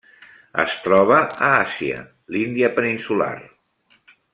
Es troba a Àsia: l'Índia peninsular.